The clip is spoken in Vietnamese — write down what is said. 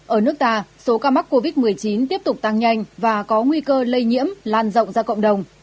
ở nước ta số ca mắc covid một mươi chín tiếp tục tăng nhanh và có nguy cơ lây nhiễm lan rộng ra cộng đồng